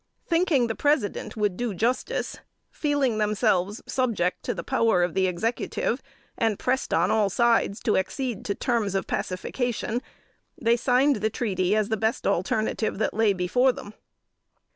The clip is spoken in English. Thinking the President would do justice; feeling themselves subject to the power of the Executive, and pressed on all sides to accede to terms of pacification, they signed the treaty as the best alternative that lay before them.